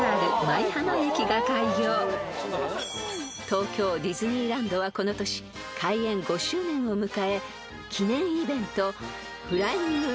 ［東京ディズニーランドはこの年開園５周年を迎え記念イベント］